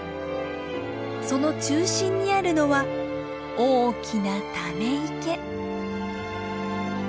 その中心にあるのは大きなため池。